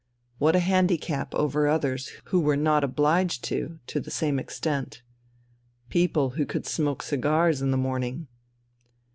What a handicap over others who "were not obliged to" to the same extent! People who could smoke cigars in the morning....